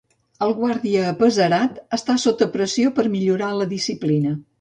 El guàrdia apesarat està sota pressió per millorar la disciplina.